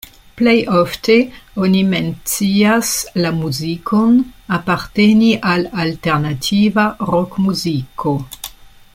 Plej ofte oni mencias la muzikon aparteni al alternativa rokmuziko.